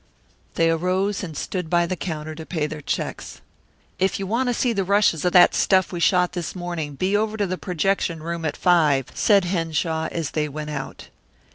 They arose and stood by the counter to pay their checks. "If you want to see the rushes of that stuff we shot this morning be over to the projection room at five," said Henshaw as they went out.